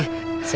ya terima kasih